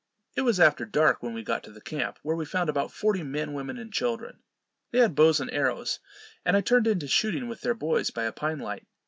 It was after dark when we got to the camp, where we found about forty men, women, and children. They had bows and arrows, and I turned in to shooting with their boys by a pine light.